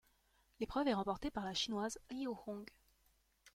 L'épreuve est remportée par la Chinoise Liu Hong.